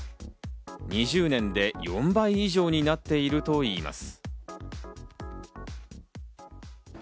２０年で４倍以上になっているといいます。